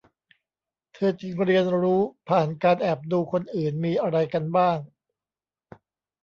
เธอจึงเรียนรู้ผ่านการแอบดูคนอื่นมีอะไรกันบ้าง